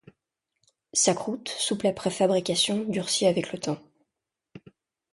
Sa croûte, souple après fabrication, durcit avec le temps.